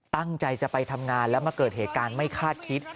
ตั้งใจจะไปทำงานแล้วมาเกิดเหตุการณ์ไม่คาดคิด